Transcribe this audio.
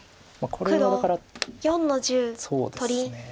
これはだからそうですね。